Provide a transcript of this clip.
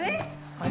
あれ？